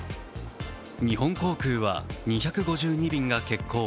日本航空は２５２便が欠航。